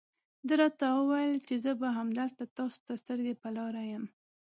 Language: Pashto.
ده راته وویل چې زه به همدلته تاسو ته سترګې په لار یم.